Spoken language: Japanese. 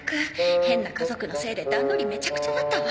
変な家族のせいで段取りめちゃくちゃだったわ